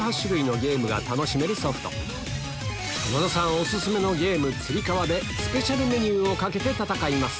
お薦めのゲーム『つり革』でスペシャルメニューを懸けて戦います